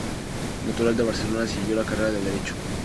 Natural de Barcelona, siguió la carrera de Derecho.